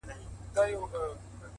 هره ورځ د نوې ودې فرصت لري